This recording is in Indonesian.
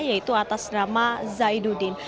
yaitu atas nama zaidudin